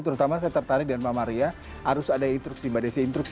terutama saya tertarik dengan mbak maria harus ada instruksi